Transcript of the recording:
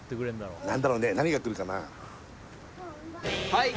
はい！